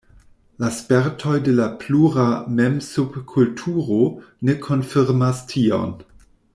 La spertoj de la pluramem-subkulturo ne konfirmas tion.